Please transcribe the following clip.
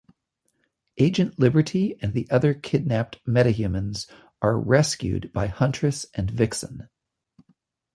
Agent Liberty and the other kidnapped meta-humans are rescued by Huntress and Vixen.